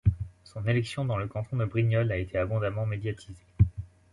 Son élection dans le canton de Brignoles a été abondamment médiatisée.